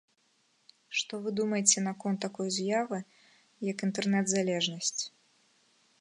Што вы думаеце наконт такой з'явы, як інтэрнет-залежнасць?